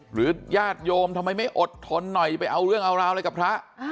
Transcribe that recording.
ญาติโยมทำไมไม่อดทนหน่อยไปเอาเรื่องเอาราวอะไรกับพระ